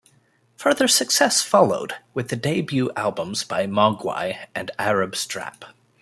Further success followed with the debut albums by Mogwai and Arab Strap.